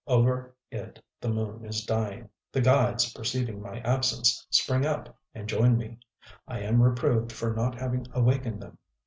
Over it the moon is dying.... The guides, perceiving my absence, spring up and join me. I am reproved for not having awakened them.